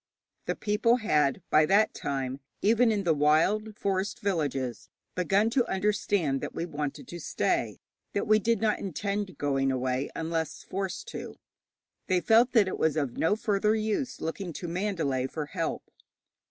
The people had by that time, even in the wild forest villages, begun to understand that we wanted to stay, that we did not intend going away unless forced to. They felt that it was of no further use looking to Mandalay for help.